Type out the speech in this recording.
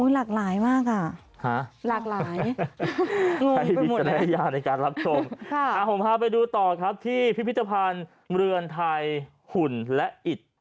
หลากหลายมากอ่ะหลากหลายโม่งไปหมดเลยนะครับลากหลายใครมีจะได้อย่างในการรับตรง